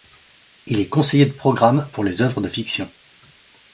Il est conseiller de programme pour les œuvres de fiction.